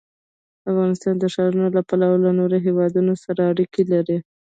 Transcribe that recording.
افغانستان د ښارونه له پلوه له نورو هېوادونو سره اړیکې لري.